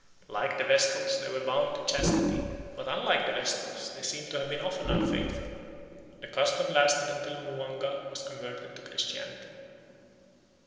Like the Vestals they were bound to chastity, but unlike the Vestals they seem to have been often unfaithful. The custom lasted until Mwanga was converted to Christianity.